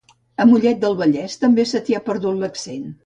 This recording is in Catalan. A Mollet del Vallès també se t'hi ha perdut un accent